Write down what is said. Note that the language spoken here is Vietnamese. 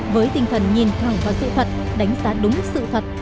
với tinh thần nhìn thẳng vào sự thật đánh giá đúng sự thật